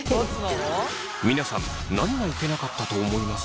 皆さん何がいけなかったと思いますか？